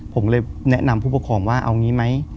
ผมเลยแนะนำผู้ปกครองว่าเอางี้ไหม